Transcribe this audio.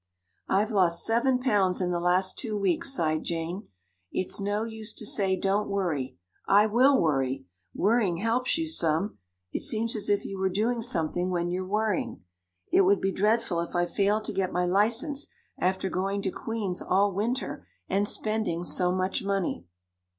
"I've lost seven pounds in the last two weeks," sighed Jane. "It's no use to say don't worry. I will worry. Worrying helps you some it seems as if you were doing something when you're worrying. It would be dreadful if I failed to get my license after going to Queen's all winter and spending so much money."